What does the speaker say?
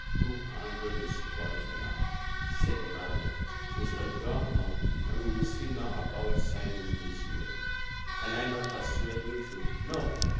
"Two hundred is quite enough," said the baronet. "Mr. Durham, we will see now about signing this will." "Can I not persuade you to " "No!